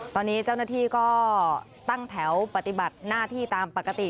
ตอนนี้เจ้าหน้าที่ก็ตั้งแถวปฏิบัติหน้าที่ตามปกติ